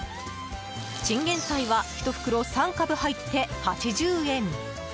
チンゲンサイは１袋３株入って８０円。